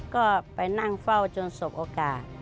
ก็ไปนั่งเฝ้าจนสบโอกาส